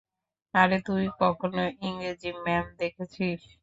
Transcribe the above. আরে তুই কখনও ইংরেজি ম্যাম দেখেছিস?